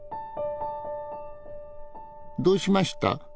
どうしました？